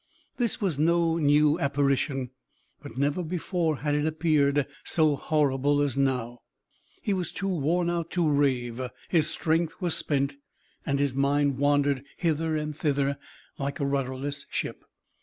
This was no new apparition, but never before had it appeared so horrible as now. He was too worn out to rave, his strength was spent, and his mind wandered hither and thither like a rudderless ship.